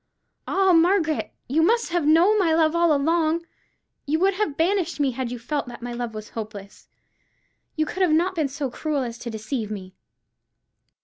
Ah, Margaret, you must have known my love all along! You would have banished me had you felt that my love was hopeless: you could not have been so cruel as to deceive me."